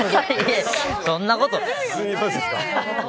そんなこと。